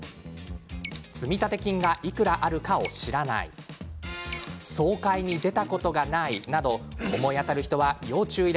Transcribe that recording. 積立金がいくらあるかを知らない総会に出たことがないなど思い当たる人は要注意。